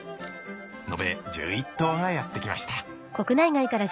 延べ１１頭がやって来ました。